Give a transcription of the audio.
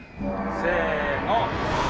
せの。